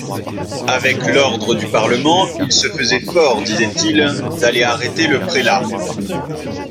Avec l'ordre du Parlement, il se faisait fort, disait-il, d'aller arrêter le prélat.